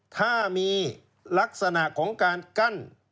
ถ้ามีลักษณะของการกั้น